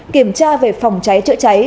kiểm tra về phòng trái trợ trái